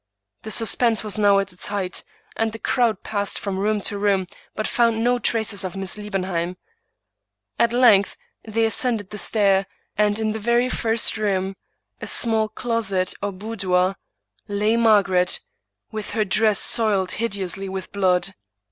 The suspense was now at Its height, and the crowd passed from room to room, but found no traces of Miss Liebenheim. At length they as cended the stair, and in the very first room, a small closet, or boudoir, lay Margaret, with her dress soiled hideously with blood.